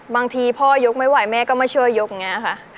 บางทีพ่อยกไม่ไหวแม่ก็มาช่วยยกอย่างนี้ค่ะ